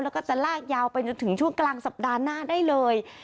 แล้วก็จะลากยาวไปจนถึงช่วงกลางสัปดาห์หน้าได้เลย